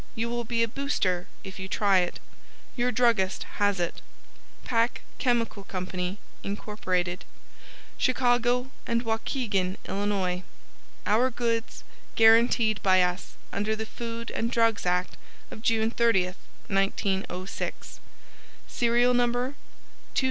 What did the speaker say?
You will be a booster if you try it. YOUR Druggist has IT. Pack Chemical Co., Inc. Chicago and Waukegan, Illinois Our Goods Guaranteed by Us Under the Food and Drugs Act of June 30,1906 Serial Number 27905.